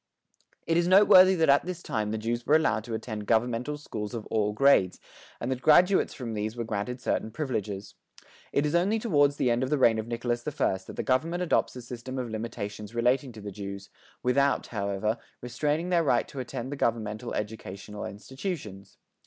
It is noteworthy that at this time the Jews were allowed to attend governmental schools of all grades, and that graduates from these were granted certain privileges. It is only toward the end of the reign of Nicholas I that the government adopts a system of limitations relating to the Jews, without, however, restraining their right to attend the governmental educational institutions.